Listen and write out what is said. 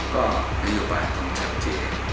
ก็นโยบายต้องเจ็บเจน